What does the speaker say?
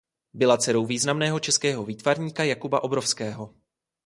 Byla dcerou významného českého výtvarníka Jakuba Obrovského.